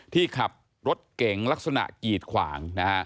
ที่ขับรถเก่งลักษณะกีดขวางนะฮะ